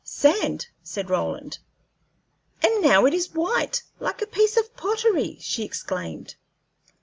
"Sand," said Roland. "And now it is white, like a piece of pottery," she exclaimed.